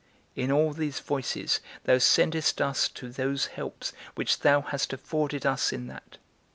In all these voices thou sendest us to those helps which thou hast afforded us in that.